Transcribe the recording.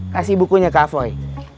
kasih bukunya kak foy